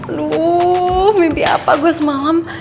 lu mimpi apa gue semalam